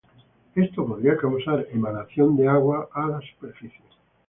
Esto podría causar emanación de agua a la superficie.